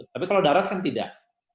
tapi kalau darat kan tidak